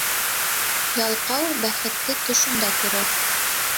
Ялҡау бәхетте төшөндә күрер.